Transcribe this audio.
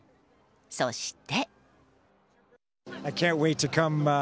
そして。